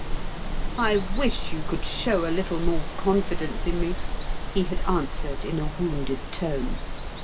" I wish you could show a little more confi dence in me," he had answered in a wounded tone.